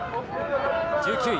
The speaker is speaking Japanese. １９位。